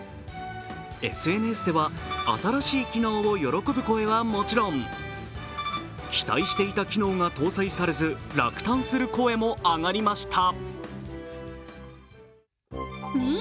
ＳＮＳでは新しい機能を喜ぶ声はもちろん期待していた機能が搭載されず、落胆する声も上がりました。